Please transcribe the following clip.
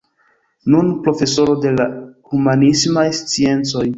Nun profesoro de la humanismaj sciencoj.